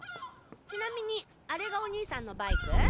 ちなみにあれがお兄さんのバイク？